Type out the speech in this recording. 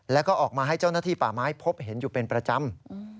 แล้วก็ออกมาให้เจ้าหน้าที่ป่าไม้พบเห็นอยู่เป็นประจำ